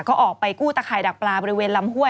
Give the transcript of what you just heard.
ก็ออกไปกู้ตะข่ายดักปลาบริเวณลำห้วย